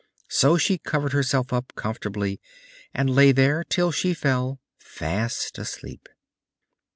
So she covered herself up comfortably, and lay there till she fell fast asleep.